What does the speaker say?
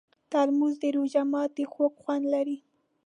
ترموز د روژه ماتي خوږ خوند لري.